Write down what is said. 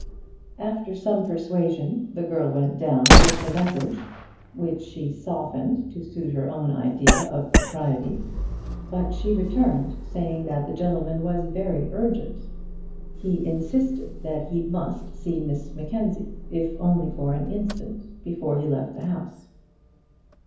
After some persuasion, the girl went down with the message, which she softened to suit her own idea of propriety. But she returned, saying that the gentleman was very urgent. He insisted that he must see Miss Mackenzie, if only for an instant, before he left the house.